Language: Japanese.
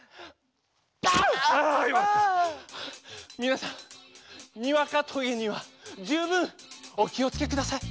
みなさんにわかとげにはじゅうぶんおきをつけください。